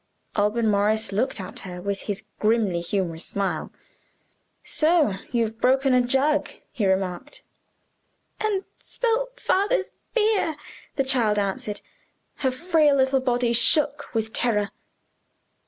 Alban Morris looked at her with his grimly humorous smile. "So you've broken a jug?" he remarked. "And spilt father's beer," the child answered. Her frail little body shook with terror.